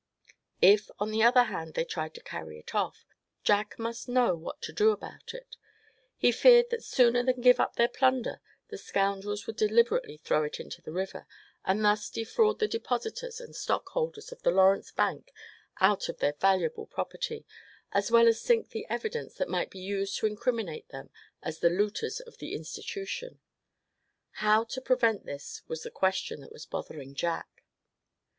If on the other hand they tried to carry it off, Jack must know what to do about it. He feared that sooner than give up their plunder the scoundrels would deliberately throw it into the river, and thus defraud the depositors and stockholders of the Lawrence bank out of their valuable property, as well as sink the evidence that might be used to incriminate them as the looters of the institution. How to prevent this was the question that was bothering Jack.